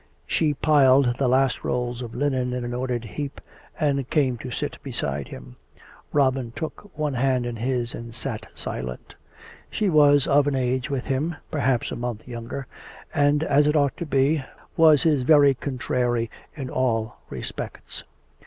She piled the last rolls of linen in an ordered heap, and came to sit beside him. Robin took one hand in his and sat silent. COME RACK! COME ROPE! 9 She was of an age with him, perhaps a month the younger ; and, as it ought to be, was his very contrary in all respects.